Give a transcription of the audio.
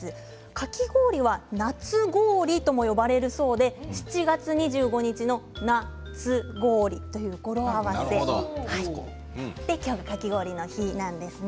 かき氷は夏氷とも呼ばれるそうで７月２５日の「なつごおり」という語呂合わせ今日のかき氷の日なんですね。